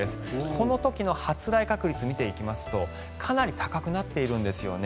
この時の発雷確率を見ていきますとかなり高くなっているんですよね。